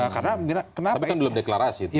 karena kenapa tapi kan belum deklarasi